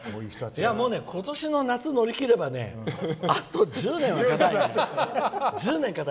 もう今年の夏乗り切ればあと１０年は堅いね。